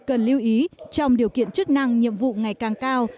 cần lưu ý trong điều kiện chức năng nhiệm vụ ngày càng cao